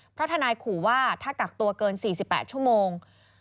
เพราะทนายขู่ว่าถ้ากักตัวเกิน๔๘ชั่วโมง